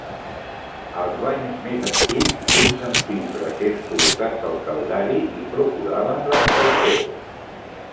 Als banys més antics, uns senzills brasers col·locats al caldari hi procuraven l'escalfor.